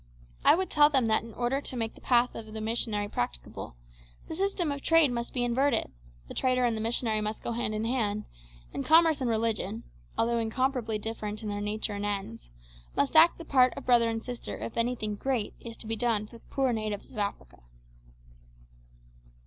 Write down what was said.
I would tell them that in order to make the path of the missionary practicable, the system of trade must be inverted, the trader and the missionary must go hand in hand, and commerce and religion although incomparably different in their nature and ends must act the part of brother and sister if anything great is to be done for the poor natives of Africa."